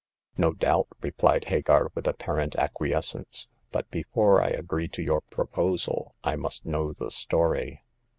" No doubt," replied Hagar, with apparent ac quiescence ;but before I agree to your propo sal I must know the story.'